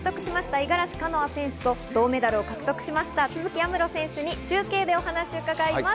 五十嵐カノア選手と銅メダルを獲得した都筑有夢路選手に中継でお話を伺います。